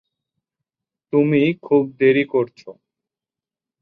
তুমি খুব দেরি করছ।